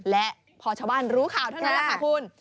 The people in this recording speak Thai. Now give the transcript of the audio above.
และพอชาวบ้านรู้ข่าวเท่านั้นแหละค่ะคุณ